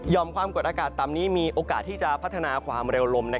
ความกดอากาศต่ำนี้มีโอกาสที่จะพัฒนาความเร็วลม